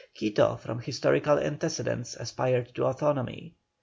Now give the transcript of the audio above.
Quito from historical antecedents aspired to autonomy.